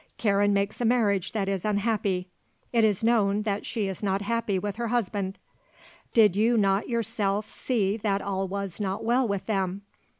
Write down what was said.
Karen makes a marriage that is unhappy; it is known that she is not happy with her husband. Did you not yourself see that all was not well with them?